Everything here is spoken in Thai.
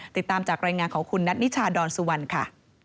ติดตามจากรายงานของคุณนัทนิชาดอนสุวรรณค่ะ